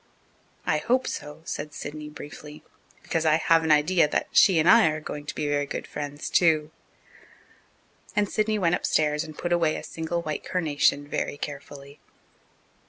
"I hope so," said Sidney briefly, "because I have an idea that she and I are going to be very good friends too." And Sidney went upstairs and put away a single white carnation very carefully.